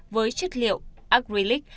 với chất liệu acrylic